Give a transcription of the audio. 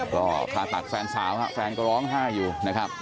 ก็ประตัดแฟนสาวนะครับแฟนก็ร้องไห้อยู่นะครับ